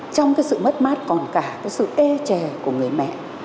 trong cái sự mất mát còn cả cái sự e trè của người mẹ